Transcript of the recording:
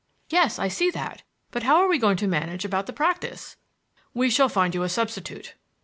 "Yes, I see that. But how are we to manage about the practise?" "We shall find you a substitute."